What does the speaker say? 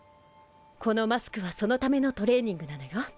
このマスクはそのためのトレーニングなのよ。